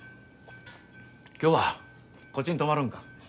今日はこっちに泊まるんか？